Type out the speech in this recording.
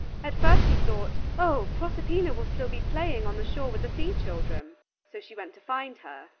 At first she thought "Oh, Proserpina will still be playing on the shore with the sea children." So she went to find her.